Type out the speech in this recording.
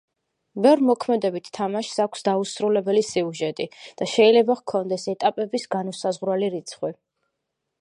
ბევრ მოქმედებით თამაშს აქვს დაუსრულებელი სიუჟეტი და შეიძლება ჰქონდეს ეტაპების განუსაზღვრელი რიცხვი.